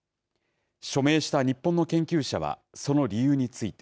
署名した日本の研究者はその理由について。